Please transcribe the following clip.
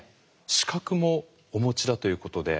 資格もお持ちだということで。